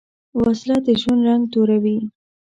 وسله د ژوند رنګ توروې